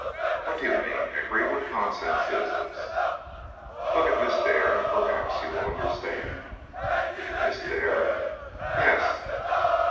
"What do you mean, Hickory? What nonsense is this?" "Look at Miss Dare and perhaps you will understand." "Miss Dare?" "Yes."